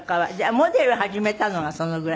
モデル始めたのがそのぐらい？